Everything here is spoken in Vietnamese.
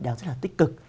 đang rất là tích cực